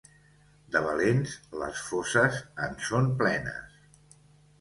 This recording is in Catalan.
De valents, les fosses en són plenes.